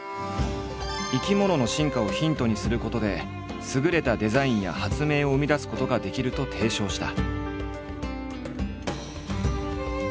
生き物の進化をヒントにすることで優れたデザインや発明を生み出すことができると提唱した。